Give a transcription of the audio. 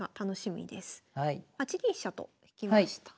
８二飛車と引きました。